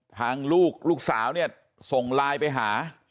ทางลูกลูกสาวเนี่ยส่งไลน์ไปหา